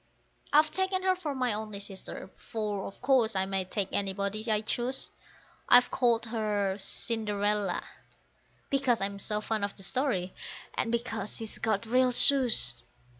I've taken her for my only sister, for of course I may take anybody I choose; I've called her Cinderella, because I'm so fond of the story, and because she's got real shoes.